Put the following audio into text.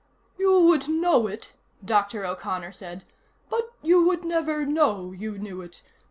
"You would know it," Dr. O'Connor said, "but you would never know you knew it.